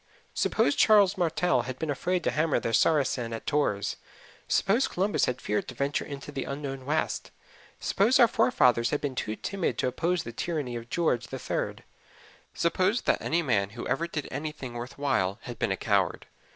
Suppose Charles Martell had been afraid to hammer the Saracen at Tours; suppose Columbus had feared to venture out into the unknown West; suppose our forefathers had been too timid to oppose the tyranny of George the Third; suppose that any man who ever did anything worth while had been a coward!